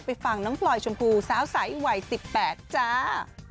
ฟังน้องพลอยชมพูสาวใสวัย๑๘จ้า